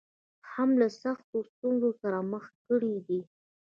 هم له سختو ستونزو سره مخ کړې دي.